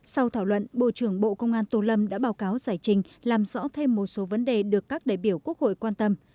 sau thảo luận bộ trưởng bộ công an tô lâm đã báo cáo giải trình làm rõ thêm một số vấn đề được các đại biểu quốc hội quan tâm